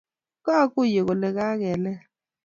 Kaguiye kole kageleel